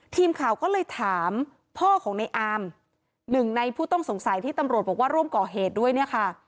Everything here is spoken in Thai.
ทีมข่าวก็เลยถามพ่อของในอามหนึ่งในผู้ต้องสงสัยที่ตำรวจบอกว่าร่วมก่อเหตุด้วยเนี่ยค่ะ